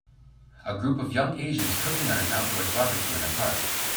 A group of young Asians cooking on an outdoors barbecue in a park.